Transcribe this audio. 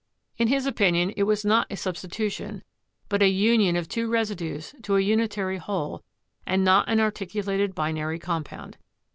In his opinion it was not a substitution, but a union of two residues to a unitary whole and not an artic ulated binary compound.